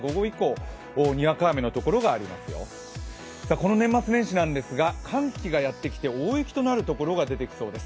この年末年始なんですが、寒気がやってきて、大雪となるところがありそうです。